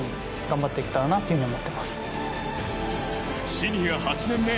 シニア８年目。